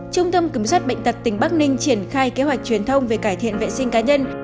trung tâm kiểm soát bệnh tật tỉnh bắc ninh triển khai kế hoạch truyền thông về cải thiện vệ sinh cá nhân